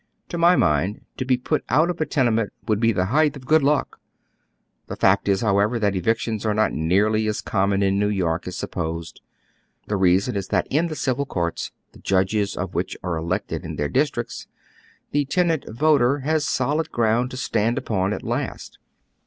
To my mind, to be put out of a tenement wonld be the height of good luck. The fact is, however, that evictions are not nearly as common in New York as supposed. The reason is that in the civil courts, the judges of which are elected in their districts, the tenant voter has solid ground to stand upon at last.